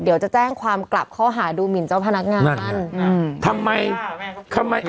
เดี๋ยวจะแจ้งความกลับข้อหาดูหมินเจ้าพนักงานอืมทำไมทำไม